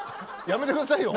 やめてくださいよ。